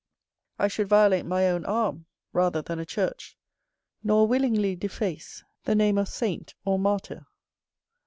I should violate my own arm rather than a church; nor willingly deface the name of saint or martyr.